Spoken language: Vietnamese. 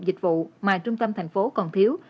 dịch vụ mà trung tâm thành phố còn thiếu